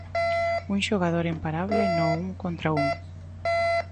Un xogador imparable no un contra un.